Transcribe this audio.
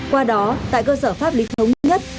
qua đó tại cơ sở pháp lý thống nhất